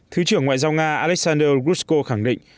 thứ trưởng ngoại giao nga alexander grushko khẳng định